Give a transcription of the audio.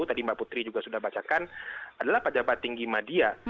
tadi mbak putri juga sudah bacakan adalah pejabat tinggi media